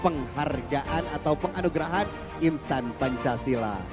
penghargaan atau penganugerahan insan pancasila